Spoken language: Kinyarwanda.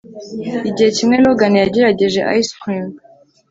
igihe kimwe logan yagerageje ice cream